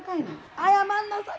謝んなさい。